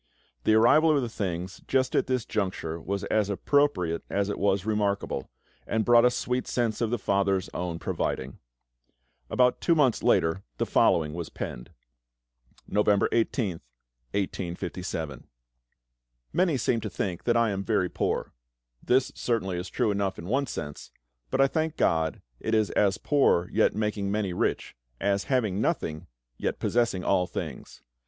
The arrival of the things just at this juncture was as appropriate as it was remarkable, and brought a sweet sense of the FATHER'S own providing. About two months later the following was penned: November 18th, 1857. Many seem to think that I am very poor. This certainly is true enough in one sense, but I thank GOD it is "as poor, yet making many rich; as having nothing, yet possessing all things."